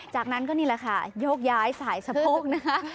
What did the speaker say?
จากนั้นก็นี่แหละค่ะโยกย้ายสายสะโพกนะคะ